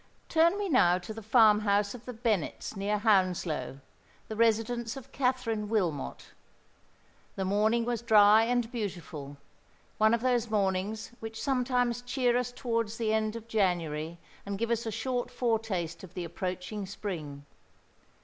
Turn we now to the farm house of the Bennets near Hounslow—the residence of Katherine Wilmot. The morning was dry and beautiful—one of those mornings which sometimes cheer us towards the end of January, and give us a short foretaste of the approaching spring.